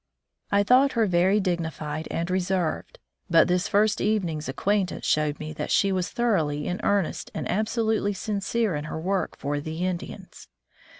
I thought her very dignified and reserved, but this first evening's ac quaintance showed me that she was thoroughly in earnest and absolutely sin cere in her work for the Indians.